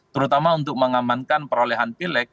terutama untuk mengamankan perolehan pileg